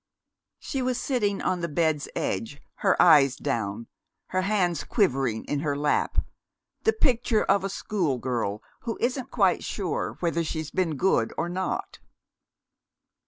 She was sitting on the bed's edge, her eyes down, her hands quivering in her lap, the picture of a school girl who isn't quite sure whether she's been good or not.